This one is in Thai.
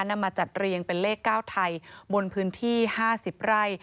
นำมาจัดเรียงเป็นเลข๙ไทยบนพื้นที่๕๐ไร่